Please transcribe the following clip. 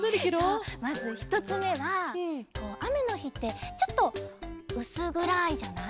そうまずひとつめはあめのひってちょっとうすぐらいじゃない？